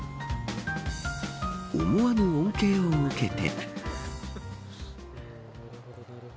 思わぬ恩恵を受けて。